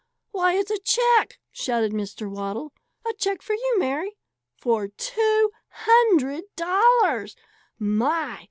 "Why, it's a check!" shouted Mr. Waddle. "A check for you, Mary, for two hundred dollars! My!